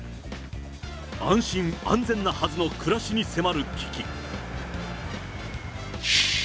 安心安全なはずの暮らしに迫る危機。